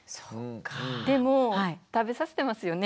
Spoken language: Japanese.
でも食べさせてますよね。